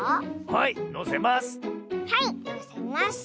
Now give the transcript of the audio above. はいのせます。